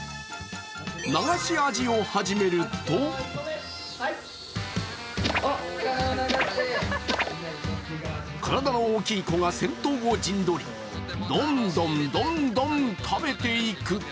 流しアジを始めると体の大きい子が先頭を陣取りどんどん、どんどん食べていく。